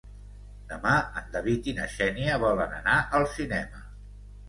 Demà en David i na Xènia volen anar al cinema.